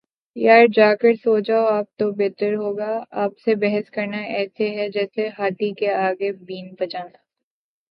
یار جا کر سو جاﺅ آپ تو بہتر ہو گا، آپ سے بحث کرنا ایسے ہی ہے جسیے ہاتھی کے آگے بین بجانا